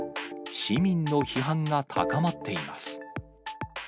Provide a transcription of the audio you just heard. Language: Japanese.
市民の批判が高まっています。